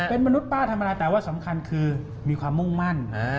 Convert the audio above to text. เป็นมนุษย์ป้าธรรมดาแต่ว่าสำคัญคือมีความมุ่งมั่น